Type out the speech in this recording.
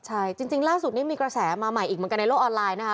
ใช่จริงล่าสุดนี้มีกระแสมาใหม่อีกเหมือนกันในโลกออนไลน์นะคะ